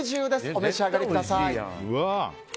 お召し上がりください。